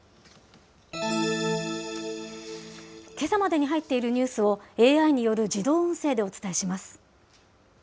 けさまでに入っているニュースを、ＡＩによる自動音声でお伝えします。